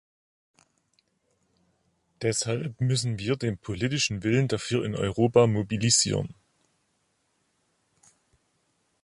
Deshalb müssen wir den politischen Willen dafür in Europa mobilisieren.